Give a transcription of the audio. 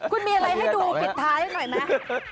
คุณมีอะไรให้ดูปิดท้ายหน่อยไหม